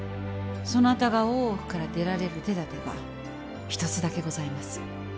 そなたが大奥から出られる手だてが一つだけございます。